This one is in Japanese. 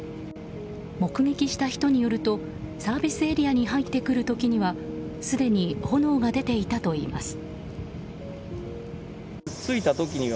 目撃した人によるとサービスエリアに入ってくる時にはすでに炎が出ていたといいます。